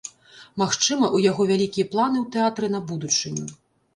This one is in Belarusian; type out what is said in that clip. Магчыма, у яго вялікія планы ў тэатры на будучыню.